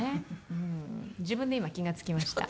自分で今気が付きました。